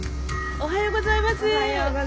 ・おはようございます。